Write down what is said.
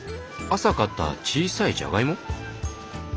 朝買った小さいじゃがいも？